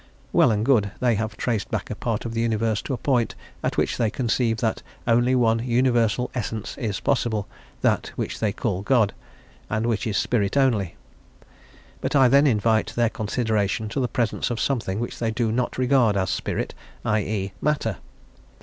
Well and good; they have traced back a part of the universe to a point at which they conceive that only one universal essence is possible, that which they call God, and which is spirit only. But I then invite their consideration to the presence of something which they do not regard as spirit, i e., matter.